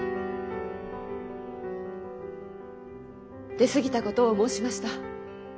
出過ぎたことを申しました。